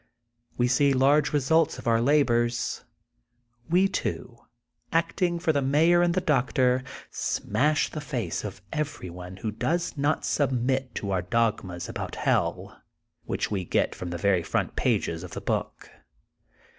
We see large results of our labors. We two, acting for the Mayor and the Doctor, smash the fac^ of everyone who does not submit to our dogmas about Hell, which we get from the very front pages of the book.